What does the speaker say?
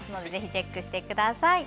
チェックしてください。